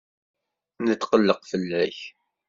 Netqelleq fell-ak.